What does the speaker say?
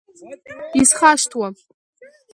Исхашҭуам…